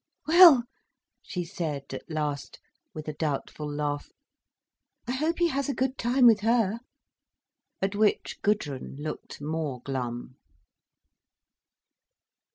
"Well," she said at last, with a doubtful laugh, "I hope he has a good time with her." At which Gudrun looked more glum.